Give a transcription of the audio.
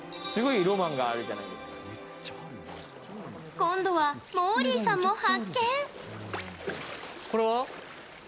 今度は、もーりーさんも発見！